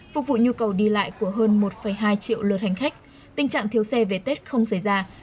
phục vụ nhu cầu đi lại của hơn một hai triệu lượt hành khách tình trạng thiếu xe về tết không xảy ra